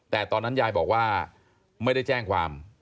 แต่ตอนนั้นยายบอกว่าไม่ได้แจ้งความ